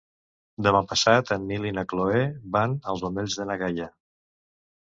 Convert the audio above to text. Demà passat en Nil i na Cloè van als Omells de na Gaia.